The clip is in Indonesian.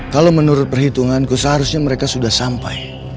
kalau menurut perhitunganku seharusnya mereka sudah sampai